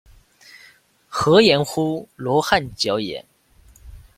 曷言乎罗汉脚也？